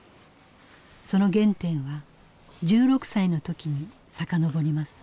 その原点は１６歳の時に遡ります。